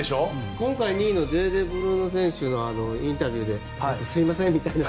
今回２位のデーデー・ブルーノ選手がインタビューですいませんみたいな。